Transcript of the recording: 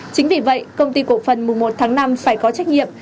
chính vì vậy công ty cổ phần mùng một tháng năm phải có trách nhiệm